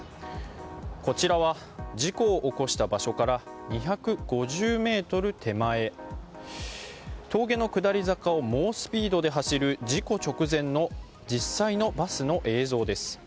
こちらは事故を起こした場所から２５０ｍ手前峠の下り坂を猛スピードで走る事故直前の実際のバスの映像です。